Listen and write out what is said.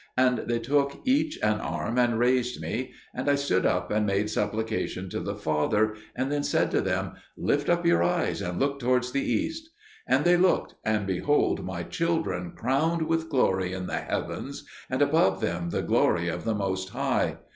And they took each an arm and raised me, and I stood up and made supplication to the Father, and then said to them, "Lift up your eyes and look towards the east." And they looked, and beheld my children crowned with glory in the heavens, and above them the glory of the Most High.